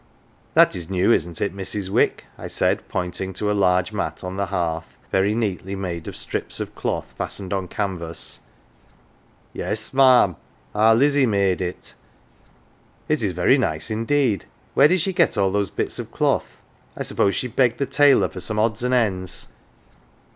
" That is new, isn't it, Mrs. Wick ?" I said, pointing to a large mat on the hearth, very neatly made of strips of cloth fastened on canvas. " Yes, ma'am, our Lizzie made it."" " It is very nice indeed. Where did she get all those bits of cloth ? I suppose she begged the tailor for some odds and ends."